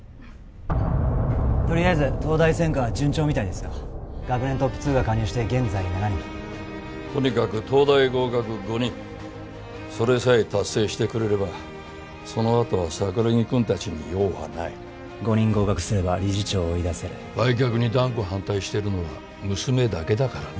とりあえず東大専科は順調みたいですよ学年トップ２が加入して現在７人とにかく東大合格５人それさえ達成してくれればそのあとは桜木君達に用はない５人合格すれば理事長を追い出せる売却に断固反対してるのは娘だけだからね